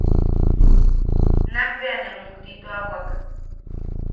Nakbea ne mujtituawak.